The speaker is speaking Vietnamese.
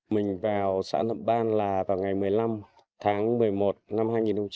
mình vào xã nậm ban là vào ngày một mươi năm tháng một mươi một năm hai nghìn hai mươi